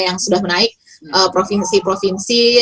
yang sudah menaik provinsi provinsi